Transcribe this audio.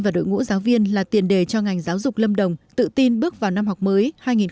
và đội ngũ giáo viên là tiền đề cho ngành giáo dục lâm đồng tự tin bước vào năm học mới